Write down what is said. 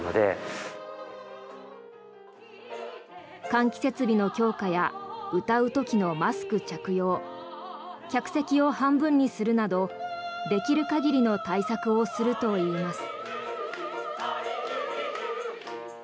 換気設備の強化や歌う時のマスク着用客席を半分にするなどできる限りの対策をするといいます。